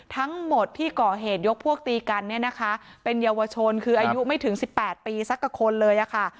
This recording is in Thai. ทั้งหมดที่ก่อเหตุยกพวกตีกันเนี่ยนะคะเป็นเยาวชนคืออายุไม่ถึง๑๘ปีสักคนเลยค่ะ